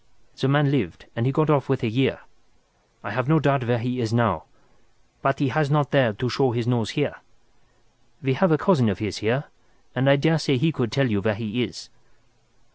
"The man lived and he got off with a year. I have no doubt he is out now, but he has not dared to show his nose here. We have a cousin of his here, and I daresay he could tell you where he is."